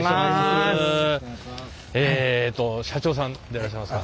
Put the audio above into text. えっと社長さんでいらっしゃいますか？